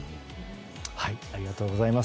ありがとうございます。